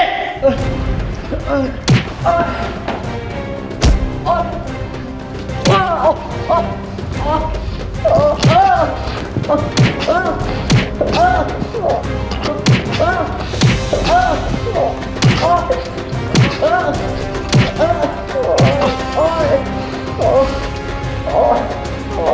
อ้าว